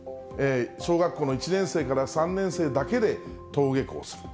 小学校の１年生から３年生だけで登下校する。